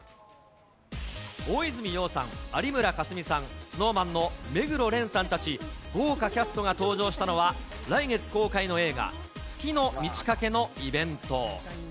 大泉洋さん、有村架純さん、ＳｎｏｗＭａｎの目黒蓮さんたち豪華キャストが登場したのは、来月公開の映画、月の満ち欠けのイベント。